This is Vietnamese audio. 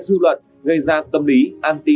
dư luận gây ra tâm lý anti